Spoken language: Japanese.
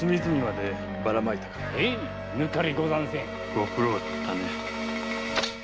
ご苦労だったな。